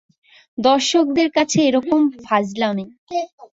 দর্শকদের সাথে একরকম ফাজলামি!